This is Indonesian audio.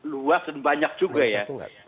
luas dan banyak juga ya